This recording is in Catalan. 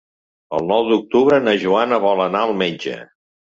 El nou d'octubre na Joana vol anar al metge.